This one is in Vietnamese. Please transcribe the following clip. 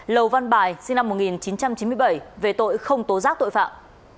lầu văn bài sinh năm một nghìn chín trăm chín mươi bảy về tội không tố giác tội phạm